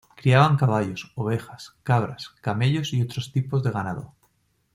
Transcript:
Criaban caballos, ovejas, cabras, camellos y otros tipos de ganado.